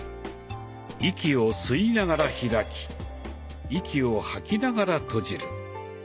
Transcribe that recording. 息を吸いながら開き息を吐きながら閉じる。